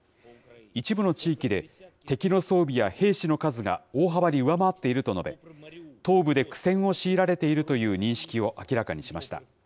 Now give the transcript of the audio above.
一部の地域で、敵の装備や兵士の数が大幅に上回っていると述べ、東部で苦戦を強いられているという認識を明らかにしました。